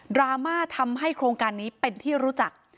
ราม่าทำให้โครงการนี้เป็นที่รู้จัก